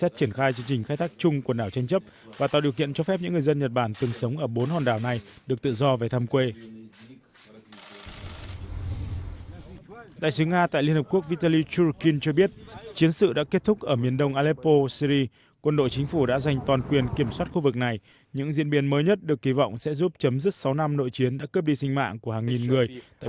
tại quốc gia trung đông này quân đội chính phủ syri và lực lượng nổi dậy